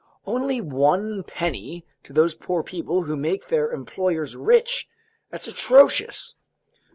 "Only one penny to those poor people who make their employers rich! That's atrocious!"